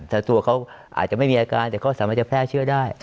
แต่ตัวเขาอาจจะไม่มีอาการแต่เขาสามารถจะแพร่เชื้อได้